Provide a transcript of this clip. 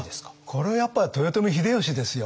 これはやっぱり豊臣秀吉ですよ。